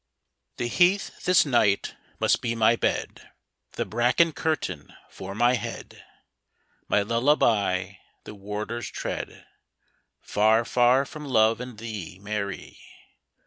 The heath this night must he my bed, The hraclcen curtain for my head, My lullaby the warder's tread, Far, far from love and thee, Mary.